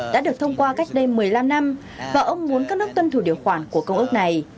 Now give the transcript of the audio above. đã được thông qua cách đây một mươi năm năm và ông muốn các nước tuân thủ điều khoản của công ước này